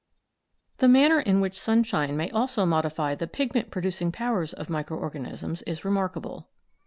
The manner in which sunshine may also modify the pigment producing powers of micro organisms is remarkable.